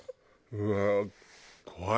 うわ怖い！